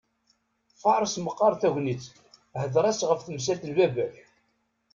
Faṛes meqqaṛ tagnitt, hḍeṛ-as ɣef temsalt n baba-k!